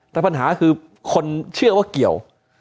แต่ปัญหาคือคนเชื่อว่าเกี่ยว